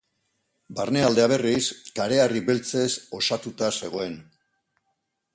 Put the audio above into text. Barnealdea berriz kareharri beltzez osatuta zegoen.